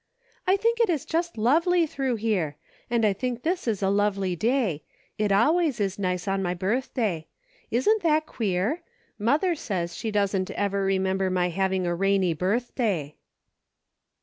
" I think it is just lovely through here. And I think this is a lovely day ; it always is nice on my birth day. Isn't that queer ? Mother says she doesn't ever remember my having a rainy birthday."